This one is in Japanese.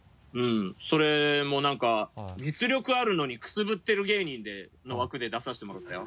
それも何か「実力あるのにくすぶってる芸人」の枠で出させてもらったよ。